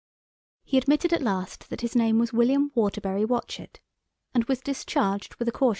He admitted at last that his name was William Waterbury Watchett, and was discharged with a caution.